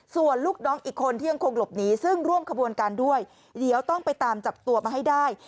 ส่วนลูกน้องอีกคนที่ยังคงหลบหนีซึ่งร่วมขบวนการด้วยเดี๋ยวต้องไปตามจับตัวมาให้ได้